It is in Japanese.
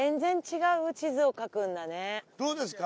どうですか？